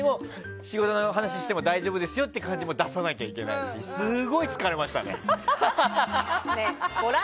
仕事の話しても大丈夫ですよっていう感じを出さなきゃいけないしすごい疲れましたね。